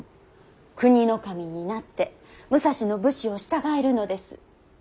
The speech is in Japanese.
国守になって武蔵の武士を従えるのです。